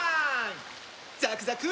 ザクザク！